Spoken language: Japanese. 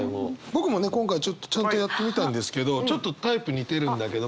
僕もね今回ちょっとちゃんとやってみたんですけどちょっとタイプ似てるんだけど。